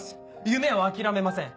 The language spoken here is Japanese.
夢を諦めません。